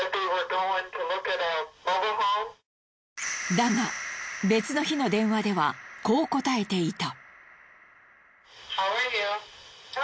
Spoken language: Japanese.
だが別の日の電話ではこう答えていた。